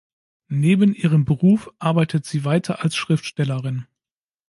Neben ihrem Beruf arbeitet sie weiter als Schriftstellerin.